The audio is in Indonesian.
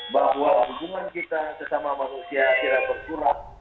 bahwa hubungan kita sesama manusia tidak berkurang